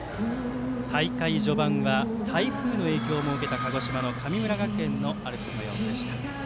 大会序盤は台風の影響も受けた鹿児島の神村学園のアルプスの様子でした。